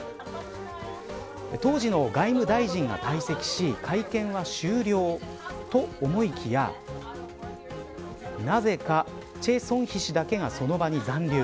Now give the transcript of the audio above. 当時の外務大臣が退席し会見は終了、と思いきやなぜか崔善姫氏だけがその場に残留。